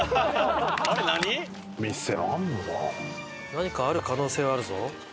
何かある可能性はあるぞ。